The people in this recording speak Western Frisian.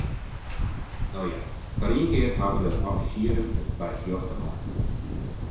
No ja, foar ien kear hawwe de offisieren it by de rjochte ein.